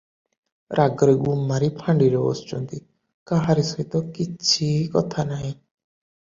ରାଗରେ ଗୁମ୍ ମାରି ଫାଣ୍ଡିରେ ବସିଛନ୍ତି, କାହାରି ସହିତ କିଛି କଥା ନାହିଁ ।